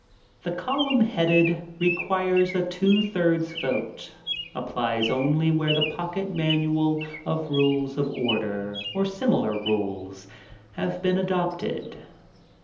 The column headed "Requires a two thirds vote," applies only where the "Pocket Manual of Rules of Order," or similar rules, have been adopted.